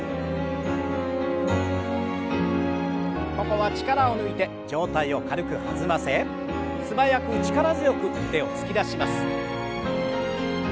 ここは力を抜いて上体を軽く弾ませ素早く力強く腕を突き出します。